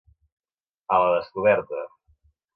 A la descoberta.